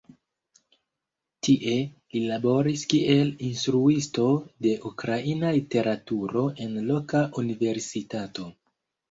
Tie li laboris kiel instruisto de ukraina literaturo en loka universitato.